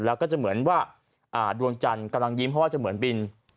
แล้วก็จะเหมือนว่าดวงจันทร์กำลังยิ้มเพราะว่าจะเหมือนบิน